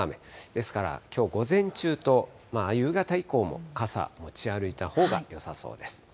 ですから、きょう午前中と夕方以降も傘、持ち歩いたほうがよさそうです。